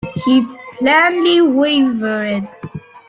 He plainly wavered.